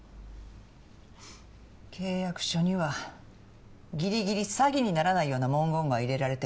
契約書にはぎりぎり詐欺にならないような文言が入れられてる。